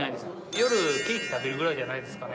夜、ケーキ食べるぐらいじゃないですかね。